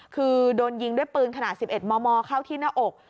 คือโดนยิงด้วยปืนขนาด๑๑มมเข้าที่หน้าอก